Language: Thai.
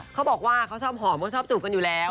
เขาบอกว่าเขาชอบหอมเขาชอบจูบกันอยู่แล้ว